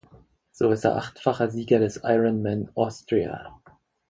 So ist er achtfacher Sieger des Ironman Austria.